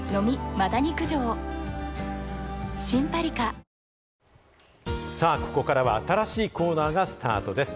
「ｄプログラム」さぁ、ここからは新しいコーナーがスタートです。